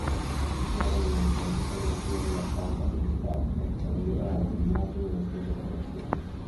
Generalmente è necessario mantenere la stampa soddisfatta per migliorare l'immagine e le sponsorizzazioni.